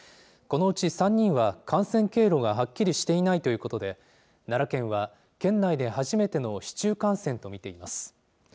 このうち３人は感染経路がはっきりしていないということで、奈良県は、県内で初めての市中感染と見ています。